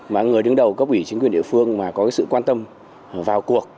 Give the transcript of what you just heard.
mà người đứng đầu cấp ủy chính quyền địa phương mà có cái sự quan tâm vào cuộc